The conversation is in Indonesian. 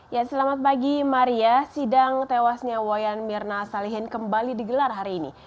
ya selamat pagi maria sidang tewasnya wayan mirna salihin kembali digelar hari ini